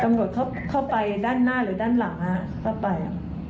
ตำรวจเข้าไปด้านหน้าหรือด้านหลังเข้าไป